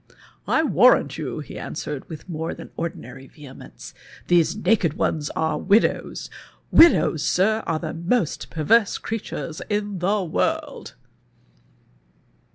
" I warrant you," he answered, with a more than ordinary \'ehemence, "these naked ones are widows— widows. Sir, are the most perverse crea tures in the world."